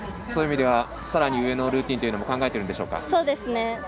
そういう意味ではさらに上のルーティンも考えているんでしょうか。